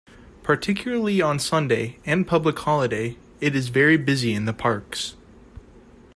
Particularly on Sunday and Public Holiday, it is very busy in the parks.